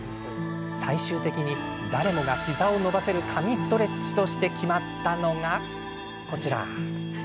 最終的に誰もが膝を伸ばせる神ストレッチとして決まったのがこちら。